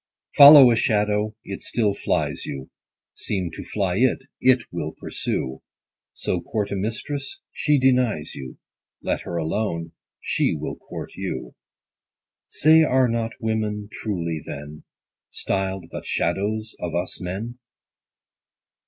Follow a shadow, it still flies you, Seem to fly it, it will pursue : So court a mistress, she denies you ; Let her alone, she will court you. Say are not women truly, then, 5 Styl'd but the shadows of us men